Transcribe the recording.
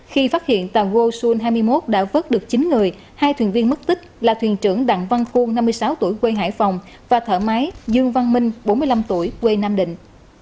khi phát hiện tàu golson hai mươi một đã vớt được chín người hai thuyền viên mất tích là thuyền trưởng đặng văn khuôn năm mươi sáu tuổi quê hải phòng và thợ máy dương văn minh bốn mươi năm tuổi quê nam định